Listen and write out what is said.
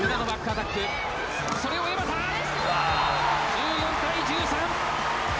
１４対１３。